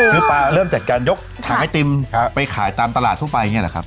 คือปลาเริ่มจากการยกถังไอติมไปขายตามตลาดทั่วไปอย่างนี้แหละครับ